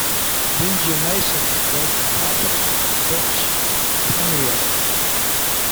Banjarmasin was the capital of Dutch Borneo.